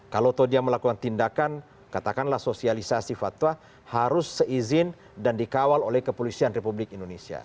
kalau dia melakukan tindakan katakanlah sosialisasi fatwa harus seizin dan dikawal oleh kepolisian republik indonesia